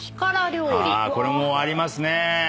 あこれもありますね。